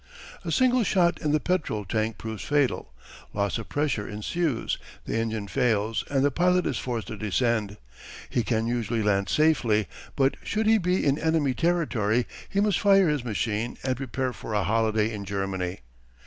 A single shot in the petrol tank proves fatal; loss of pressure ensues, the engine fails, and the pilot is forced to descend. He can usually land safely, but should he be in enemy territory he must fire his machine and prepare for a holiday in Germany.